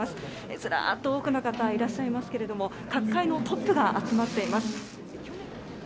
ずらっと多くの方がいらっしゃいますけど各界のトップが集まっています。